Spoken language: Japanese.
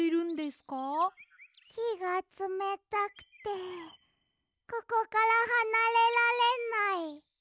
きがつめたくてここからはなれられない。